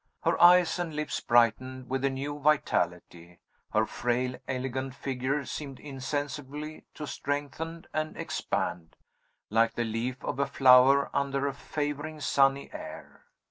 Her eyes and lips brightened with a new vitality; her frail elegant figure seemed insensibly to strengthen and expand, like the leaf of a flower under a favoring sunny air.